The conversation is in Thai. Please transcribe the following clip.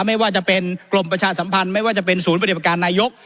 ไม่ว่าจะเป็นกรมประชาสัมพันธ์ไม่ว่าจะเป็นศูนย์ปฏิบัติการนายก